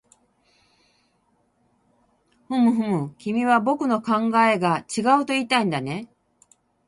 ふむふむ、君は僕の考えが違うといいたいんだね